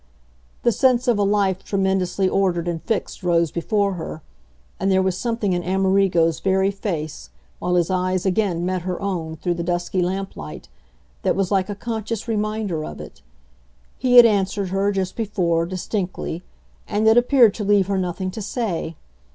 The sense of a life tremendously ordered and fixed rose before her, and there was something in Amerigo's very face, while his eyes again met her own through the dusky lamplight, that was like a conscious reminder of it. He had answered her, just before, distinctly, and it appeared to leave her nothing to say.